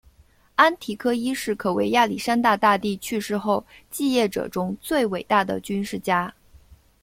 安提柯一世可谓亚历山大大帝去世后继业者中最伟大的军事家。